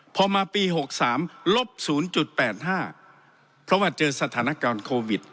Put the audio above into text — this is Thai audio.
พอมาปี๖๓ลบ๐๘๕เพราะว่าเจอสถานการณ์โควิด